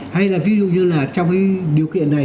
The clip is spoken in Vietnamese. hay là ví dụ như là trong cái điều kiện này